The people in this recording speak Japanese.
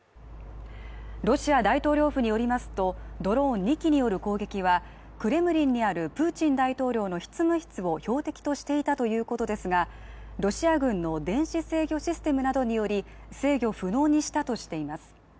ロシア大統領府によりますと、ドローン２機による攻撃はクレムリンにあるプーチン大統領の執務室を標的としていたということですが、ロシア軍の電子制御システムなどにより制御不能にしたとしています。